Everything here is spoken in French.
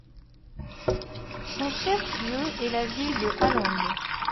Son chef-lieu est la ville de Along.